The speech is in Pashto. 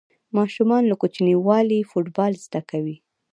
ماشومان له کوچنیوالي فوټبال زده کوي.